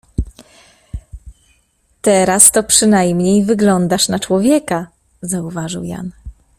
— Teraz to przynajmniej wyglądasz na człowieka — zauważył Jan.